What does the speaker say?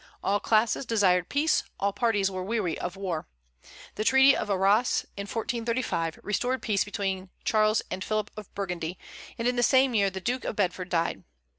All classes desired peace; all parties were weary of war. The Treaty of Arras, in 1435, restored peace between Charles and Philip of Burgundy; and in the same year the Duke of Bedford died.